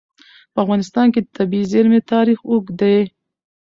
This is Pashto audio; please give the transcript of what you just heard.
په افغانستان کې د طبیعي زیرمې تاریخ اوږد دی.